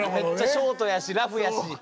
ショートやしラフやし。